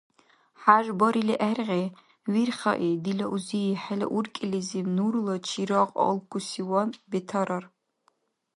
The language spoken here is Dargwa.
ХӀяж барили гӀергъи, вирхаи, дила узи, хӀела уркӀилизиб нурла чирагъ алкусиван бетарар.